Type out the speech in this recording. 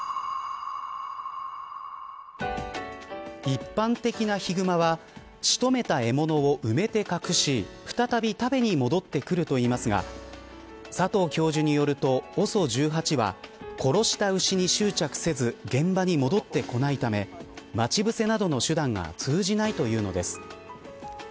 一般的なヒグマは仕留めた獲物を埋めて隠し再び食べに戻ってくるといいますが佐藤教授によるとＯＳＯ１８は殺した牛に執着せず現場に戻ってこないため待ち伏せなどの手段が通じないというのです。